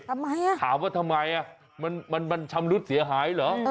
ทำไมอ่ะถามว่าทำไมอ่ะมันชำรุดเสียหายเหรอ